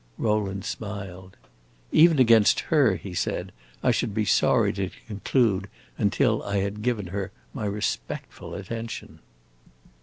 Rowland smiled. "Even against her," he said, "I should be sorry to conclude until I had given her my respectful attention."